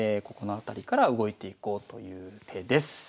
ここのあたりから動いていこうという手です。